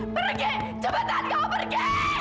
pergi cepetan kamu pergi